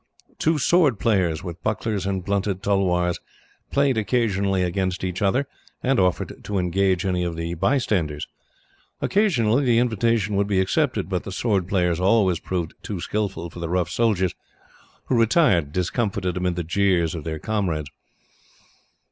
Two sword players, with bucklers and blunted tulwars, played occasionally against each other, and offered to engage any of the bystanders. Occasionally the invitation would be accepted, but the sword players always proved too skilful for the rough soldiers, who retired discomfited, amid the jeers of their comrades.